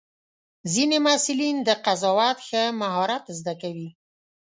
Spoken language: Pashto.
ځینې محصلین د قضاوت ښه مهارت زده کوي.